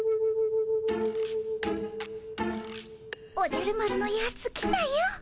おじゃる丸のやつ来たよ。